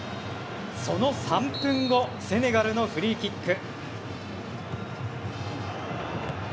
その３分後セネガルのフリーキック。